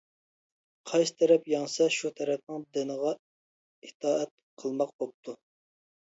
قايسى تەرەپ يەڭسە، شۇ تەرەپنىڭ دىنىغا ئىتائەت قىلماق بوپتۇ.